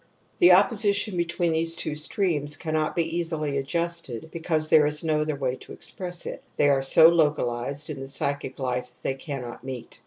The opposition between these two streams cannot be easily adjusted because — there is no other way to express it — ^they are so localized in the psychic life that they cannot meet.